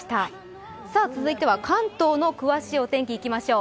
続いては関東の詳しいお天気、いきましょう。